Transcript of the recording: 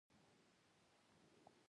هغه ښۀ سړی ډی